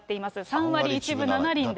３割１分７厘です。